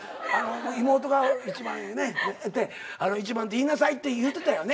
妹が一番よねって一番って言いなさいって言うてたよね。